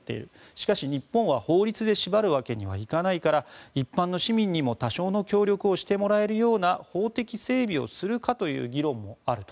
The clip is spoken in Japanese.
しかし、日本は法律で縛るわけにはいかないから一般の市民にも、多少の協力をしてもらえるような法的整備をするかというような議論もあると。